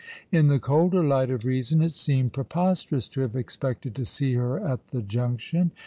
In the colder light of reason it seemed preposterous to have expected to see her at the Junction.